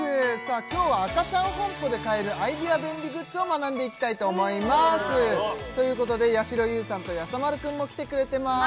今日はアカチャンホンポで買えるアイデア便利グッズを学んでいきたいと思いますということでやしろ優さんとやさ丸くんも来てくれてます